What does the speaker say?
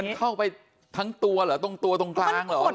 เข้าไปทั้งตัวเหรอตรงตัวตรงกลางเหรอ